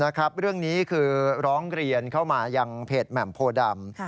เรื่องนี้คือร้องเรียนเข้ามายังเพจแหม่มโพดำ